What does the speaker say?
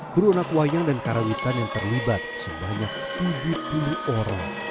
kru anak wayang dan karawitan yang terlibat sebanyak tujuh puluh orang